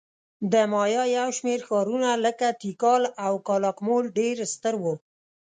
د مایا یو شمېر ښارونه لکه تیکال او کالاکمول ډېر ستر وو